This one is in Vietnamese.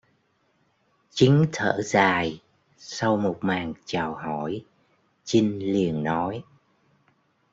Chính thở dài sau một màn chào hỏi chinh liền nói